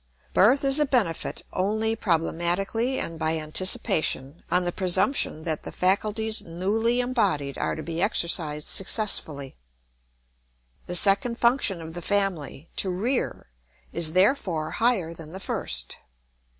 Birth is a benefit only problematically and by anticipation, on the presumption that the faculties newly embodied are to be exercised successfully. The second function of the family, to rear, is therefore higher than the first.